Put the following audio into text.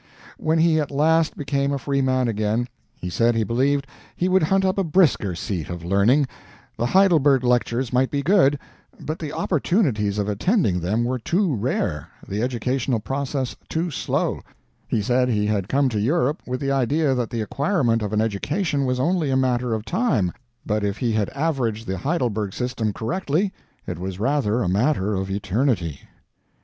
When he at last became a free man again, he said he believed he would hunt up a brisker seat of learning; the Heidelberg lectures might be good, but the opportunities of attending them were too rare, the educational process too slow; he said he had come to Europe with the idea that the acquirement of an education was only a matter of time, but if he had averaged the Heidelberg system correctly, it was rather a matter of eternity.